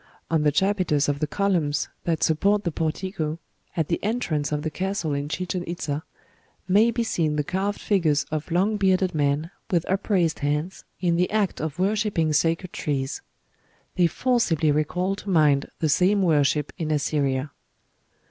On the chapiters of the columns that support the portico, at the entrance of the castle in Chichen Itza, may be seen the carved figures of long bearded men, with upraised hands, in the act of worshipping sacred trees. They forcibly recall to mind the same worship in Assyria."